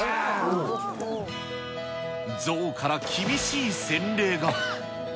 象から厳しい洗礼が。